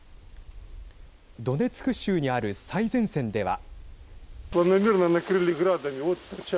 ドネツク州にある最前線では。